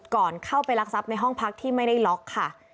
ก่อนเข้าไปรักทรัพย์ในห้องพักที่ไม่ได้ล็อกค่ะ